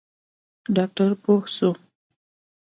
ډاکتر پوه سو.